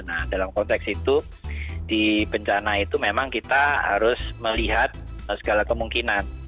nah dalam konteks itu di bencana itu memang kita harus melihat segala kemungkinan